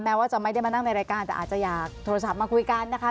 ว่าจะไม่ได้มานั่งในรายการแต่อาจจะอยากโทรศัพท์มาคุยกันนะคะ